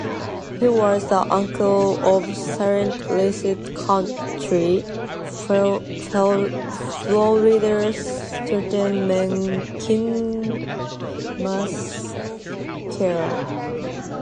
He was the uncle of Saint Lucie County, Florida Sheriff Ken Mascara.